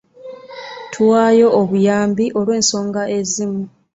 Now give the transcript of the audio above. Tuwaayo obuyambi olw'ensonga ezimu.